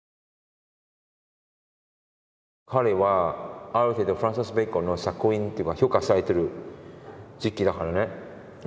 彼はある程度フランシス・ベーコンの作品というか評価されてる時期だからね珍しいんじゃないですか。